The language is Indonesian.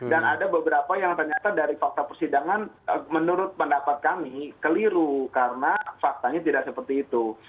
dan ada beberapa yang ternyata dari fakta persidangan menurut pendapat kami keliru karena faktanya tidak seperti itu